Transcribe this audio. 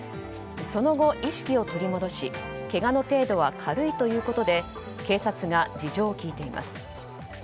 その後、意識を取り戻しけがの程度は軽いということで警察が事情を聴いています。